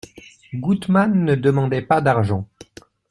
Goutman ne demandait pas d'argent.